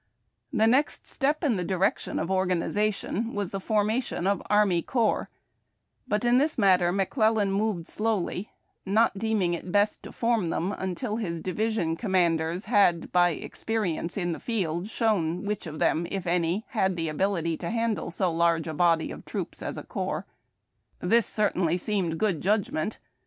CORPS AND CORPS BADGES. 253 The next step in the direction of organization was the formation of Army Corps; but in this matter McClellan moved slowly, not deeming it best to form them until his division commanders had, by experience in the field, shown which of them, if any, had the ability to handle so large a body of troops as a corps. This certainly seemed good judg ment.